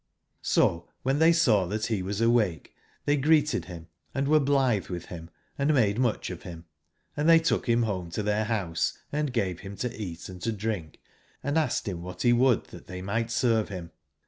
So when they saw that he was awake, they greeted bim, and were blithe with bim and made much of him ; and they took him home to their bouse, and gave him to eat & to drink, and asked him what he would that they might serve him.